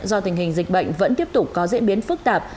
do tình hình dịch bệnh vẫn tiếp tục có diễn biến phức tạp